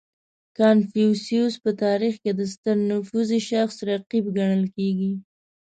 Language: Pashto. • کنفوسیوس په تاریخ کې د ستر نفوذي شخص رقیب ګڼل کېږي.